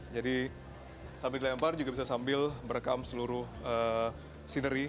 jadi sambil dilempar juga bisa sambil merekam seluruh scenery